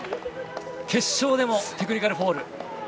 決勝でもテクニカルフォール。